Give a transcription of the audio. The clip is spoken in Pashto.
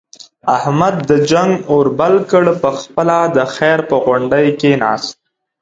احمد د جنگ اور بل کړ، په خپله د خیر په غونډۍ کېناست.